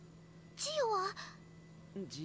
ジオは今。